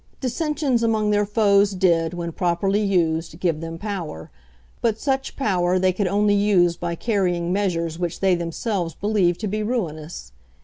Dissensions among their foes did, when properly used, give them power, but such power they could only use by carrying measures which they themselves believed to be ruinous.